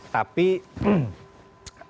tapi ini kembali kepada kemahiran